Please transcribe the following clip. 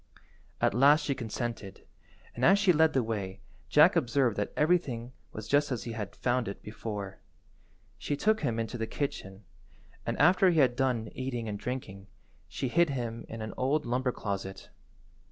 At last she consented, and as she led the way Jack observed that everything was just as he had found it before. She took him into the kitchen, and after he had done eating and drinking, she hid him in an old lumber closet.